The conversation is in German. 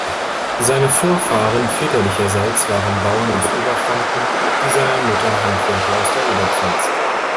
Seine Vorfahren väterlicherseits waren Bauern aus Oberfranken, die seiner Mutter Handwerker aus der Oberpfalz.